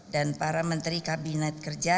dan para menteri kabinet kerja